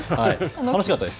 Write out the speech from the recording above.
楽しかったです。